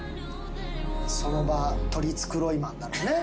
その場とりつくろいマンだろうね。